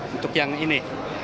untuk yang ini